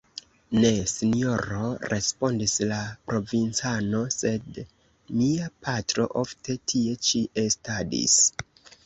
Ne, Sinjoro, respondis la provincano, sed mia patro ofte tie ĉi estadis.